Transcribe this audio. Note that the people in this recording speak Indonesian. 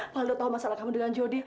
paldol tahu masalah kamu dengan jody